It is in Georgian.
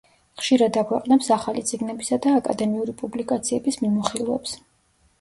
ხშირად აქვეყნებს ახალი წიგნებისა და აკადემიური პუბლიკაციების მიმოხილვებს.